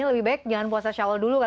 lebih baik jangan puasa syawal dulu